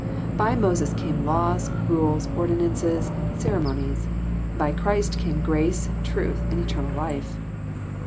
By Moses came laws, rules, ordinances, cere monies. By Christ came grace, truth, and eternal life.